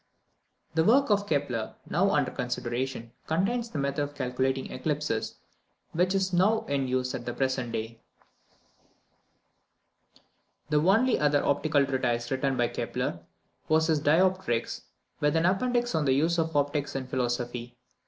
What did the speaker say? The work of Kepler, now under consideration, contains the method of calculating eclipses which is now in use at the present day. The only other optical treatise written by Kepler, was his Dioptrics, with an appendix on the use of optics in philosophy.